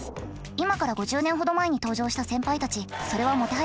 今から５０年ほど前に登場した先輩たちそれはもてはやされたそうです。